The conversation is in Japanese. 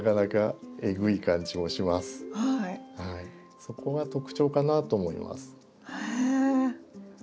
そこが特徴かなと思います。